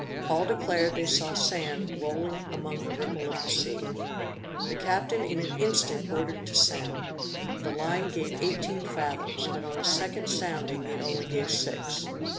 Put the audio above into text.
All declared they saw sand rolling among the ripple of the sea. The captain in an instant ordered to sound. The line gave eighteen fathoms; but on a second sounding it only gave six.